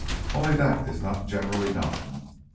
Only that is not generally known.